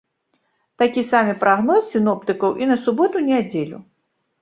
Такі самы прагноз сіноптыкаў і на суботу-нядзелю.